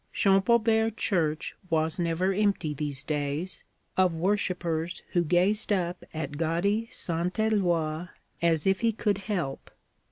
Champaubert church was never empty, these days, of worshipers who gazed up at gaudy St. Eloi as if he could help.